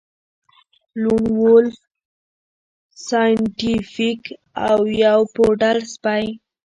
لون وولف سایینټیفیک او یو پوډل سپی